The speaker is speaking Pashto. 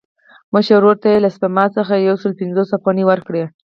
مشر ورور ته یې له سپما څخه یو سل پنځوس افغانۍ ورکړې.